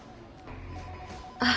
あっ。